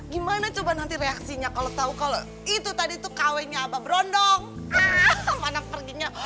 gimana coba nanti reaksinya kalau tahu kalau itu tadi tuh kawenya abah berondong ah mana perginya